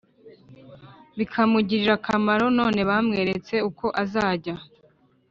bikamugirira akamaro Nanone bamweretse uko azajya